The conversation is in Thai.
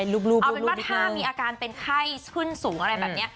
เอาเป็นว่าถ้ามีอาการเป็นไข้ขึ้นสูงอะไรแบบนี้